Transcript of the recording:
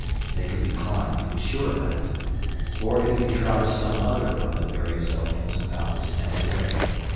They could be climbed he was sure of that. Or he could try some other of the various openings about the sanded area.